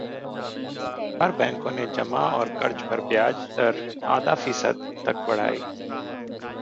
चार बैंकों ने जमा और कर्ज पर ब्याज दर आधा फीसद तक बढ़ाई